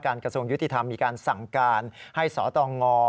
กระทรวงยุติธรรมมีการสั่งการให้สตง